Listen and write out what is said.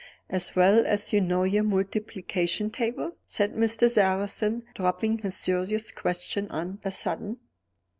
"As well as you know your multiplication table?" said Mr. Sarrazin, dropping his serious questions on a sudden.